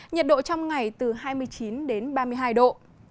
nhiệt độ trong ngày từ hai mươi chín đến ba mươi hai độ